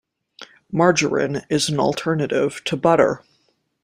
Margarine is an alternative to butter.